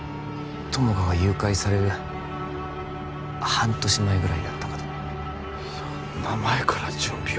友果が誘拐される半年前ぐらいだったかとそんな前から準備を